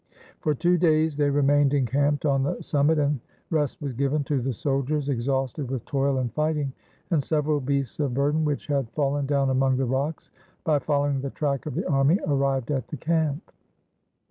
For two days they remained encamped on the summit; and rest was given to the soldiers, exhausted with toil and fighting: and several beasts of burden, which had fallen down among the rocks, by following the track of the army arrived at the camp.